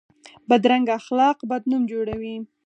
بدرنګه اخلاق بد نوم جوړوي